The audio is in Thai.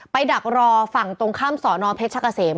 ดักรอฝั่งตรงข้ามสอนอเพชรชะกะเสม